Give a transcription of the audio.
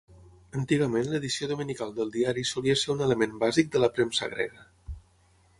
Antigament l'edició dominical del diari solia ser un element bàsic de la premsa grega.